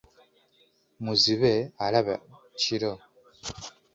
Muzibe alaba kiro.